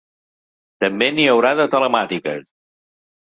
També n’hi haurà de telemàtiques.